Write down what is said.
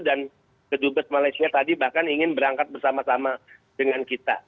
dan kedubes malaysia tadi bahkan ingin berangkat bersama sama dengan kita